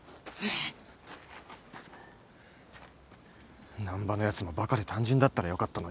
難破のやつもバカで単純だったらよかったのにな。